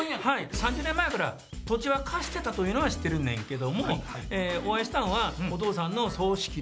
３０年前から土地は貸してたというのは知ってるねんけどもお会いしたのはお父さんの葬式で。